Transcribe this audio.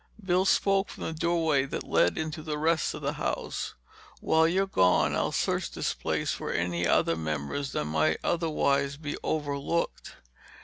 Bill spoke from the doorway that led into the rest of the house. "While you're gone I'll search this place for any other members that might otherwise be overlooked!"